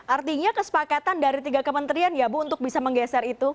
artinya kesepakatan dari tiga kementerian ya bu untuk bisa menggeser itu